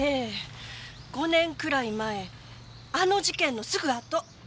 ５年くらい前あの事件のすぐあと！